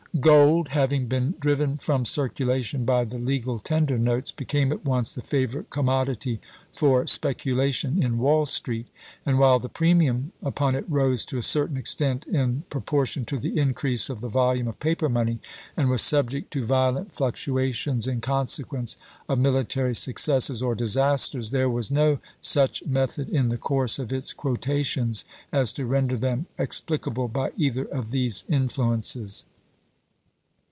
Gold, having been driven from circulation by the legal tender notes, became at once the favorite com modity for speculation in Wall street, and while the premium upon it rose to a certain extent in propor tion to the increase of the volume of paper money, and was subject to violent fluctuations in conse quence of military successes or disasters, there was no such method in the coui'se of its quotations as to render them explicable by either of these influ ences.